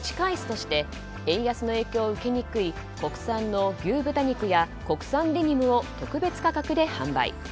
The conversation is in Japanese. として円安の影響を受けにくい国産の牛豚肉や国産デニムを特別価格で販売。